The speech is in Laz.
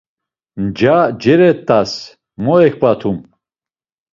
Nca ceret̆as, mo eǩvatum.